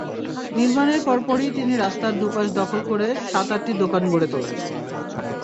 নির্মাণের পরপরই তিনি রাস্তার দুপাশ দখল করে সাত-আটটি দোকান গড়ে তোলেন।